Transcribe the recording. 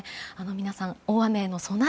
皆さん、大雨への備え